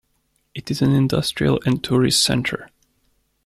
It is an industrial and tourist centre.